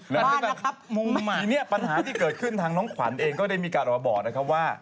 บ้านนะครับมุมนี่ปัญหาที่เกิดขึ้นทางน้องขวัญเองก็ได้มีการบอกนะครับว่า